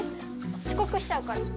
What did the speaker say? ちこくしちゃうから。